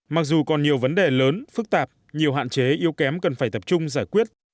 mặc dù còn nhiều vấn đề lớn phức tạp nhiều hạn chế yếu kém cần phải tập trung giải quyết